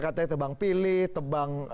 katanya tebang pilih tebang